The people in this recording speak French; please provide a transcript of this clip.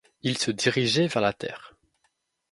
Ils se dirigeaient vers la terre.